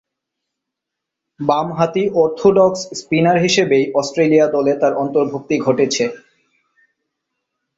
বামহাতি orthodox spinner হিসেবেই Australia দলে তার অন্তর্ভুক্তি ঘটেছে।